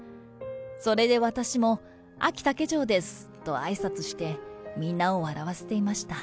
それで私も、あき竹城ですとあいさつして、みんなを笑わせていました。